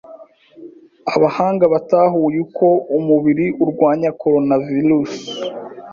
Abahanga batahuye uko umubiri urwanya coronavirus